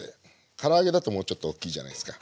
から揚げだともうちょっと大きいじゃないですか。